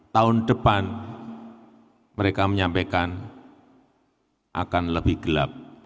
tahun depan mereka menyampaikan akan lebih gelap